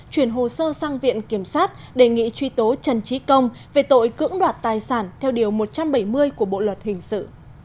chuyển hồ sơ sang viện kiểm sát đề nghị truy tố trần trí công về tội cưỡng đoạt tài sản theo điều một trăm bảy mươi của bộ luật hình sự